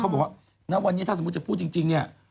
บอกว่าณวันนี้ถ้าสมมุติจะพูดจริงเนี่ย